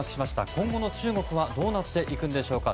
今後の中国はどうなっていくのでしょうか。